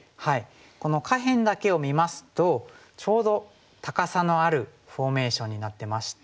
この下辺だけを見ますとちょうど高さのあるフォーメーションになってまして。